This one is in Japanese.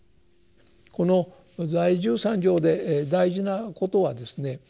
この第十三条で大事なことはですね